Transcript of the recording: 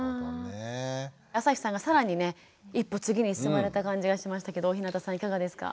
あさひさんが更にね一歩次に進まれた感じがしましたけど大日向さんいかがですか？